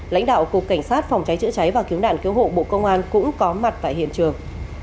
lãnh đạo cục cảnh sát phòng cháy chữa cháy và cứu nạn cứu hộ bộ công an cũng có mặt tại hiện trường